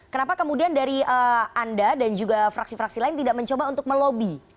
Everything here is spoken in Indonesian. kenapa kemudian dari anda dan juga fraksi fraksi lain tidak mencoba untuk melobi